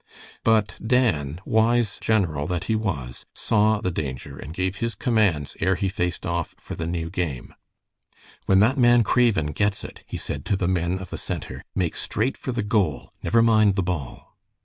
But Dan, wise general that he was, saw the danger, and gave his commands ere he faced off for the new game. "When that man Craven gets it," he said to the men of the center, "make straight for the goal. Never mind the ball."